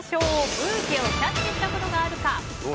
ブーケをキャッチしたことがあるか。